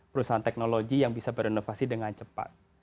perusahaan teknologi yang bisa berinovasi dengan cepat